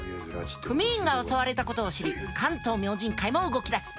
組員が襲われたことを知り関東明神会も動きだす。